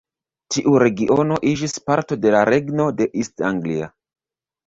Tiu regiono iĝis parto de la regno de East Anglia.